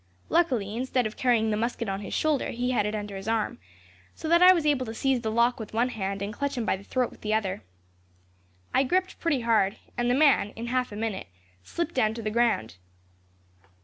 Luckily, instead of carrying the musket on his shoulder, he had it under his arm, so that I was able to seize the lock with one hand, and clutch him by the throat with the other. I gripped pretty hard, and the man, in half a minute, slipped down to the ground.